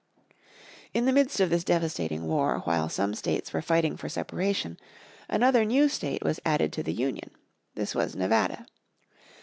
In the midst of this devastating war while some states were fighting for separation, another new state was added to the Union. This was Nevada.